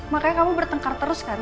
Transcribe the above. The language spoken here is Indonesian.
makanya kamu bertengkar terus kan